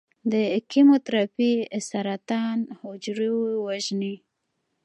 د کیموتراپي سرطان حجرو وژني.